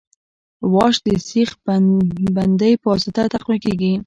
واش د سیخ بندۍ په واسطه تقویه کیږي